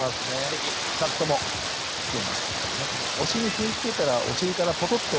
チャットも来ていますけどもね。